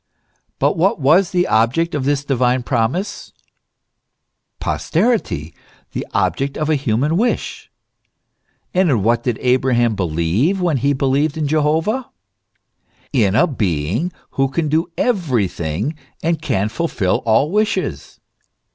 But what was the object of this divine promise ? Posterity : the object of a human wish. And in what did Abraham believe when he believed in Jehovah ? In a Being who can do everything, and can fulfil all wishes.